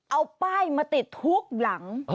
เอาป้ายมาติดทุกหลัง